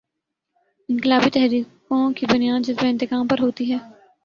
انقلابی تحریکوں کی بنیاد جذبۂ انتقام پر ہوتی ہے۔